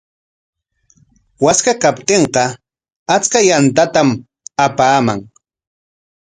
Waskaa kaptinqa achka yantatam apaaman.